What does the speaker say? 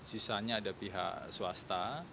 sisanya ada pihak swasta